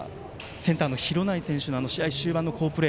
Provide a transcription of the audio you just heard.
センターの廣内選手の終盤の好プレー